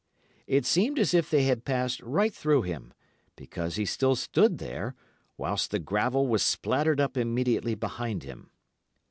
It seemed as if they had passed right through him, because he still stood there, whilst the gravel was splattered up immediately behind him.